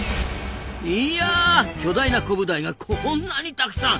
いや巨大なコブダイがこんなにたくさん！